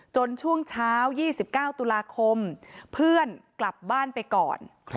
จนช่วงเช้ายี่สิบเก้าตุลาคมเพื่อนกลับบ้านไปก่อน